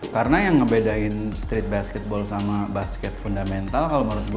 karena yang ngebedain street basketball sama basket fundamental kalau menurut gue